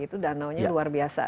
itu danaunya luar biasa